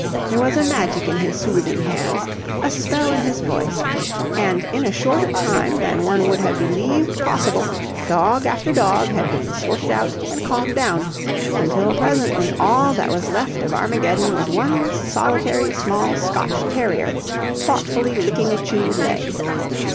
There was a magic in his soothing hands, a spell in his voice: and in a shorter time than one would have believed possible dog after dog had been sorted out and calmed down; until presently all that was left of Armageddon was one solitary small Scotch terrier, thoughtfully licking a chewed leg.